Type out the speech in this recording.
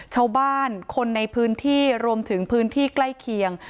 ชาวบ้านคนในพื้นที่รวมถึงพื้นที่ใกล้เคียง